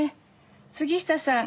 杉下さん